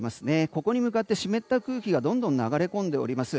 ここに向かって湿った空気がどんどん流れ込んでいます。